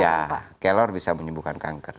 ya kelor bisa menyembuhkan kanker